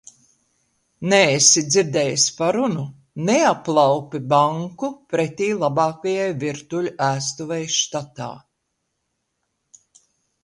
Neesi dzirdējis parunu: neaplaupi banku pretī labākajai virtuļu ēstuvei štatā?